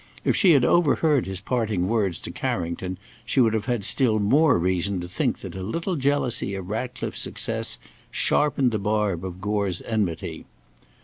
If she had overheard his parting words to Carrington, she would have had still more reason to think that a little jealousy of Ratcliffe's success sharpened the barb of Gore's enmity.